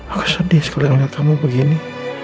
aku sedih sekali melihat kamu begini